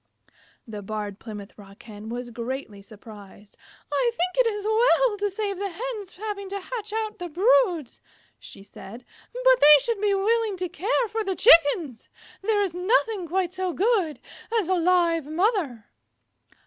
The Barred Plymouth Rock Hen was greatly surprised. "I think it is well to save the Hens having to hatch out the broods," she said, "but they should be willing to care for the Chickens. There is nothing quite so good as a live mother."